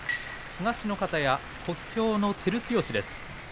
東の方屋、小兵の照強です。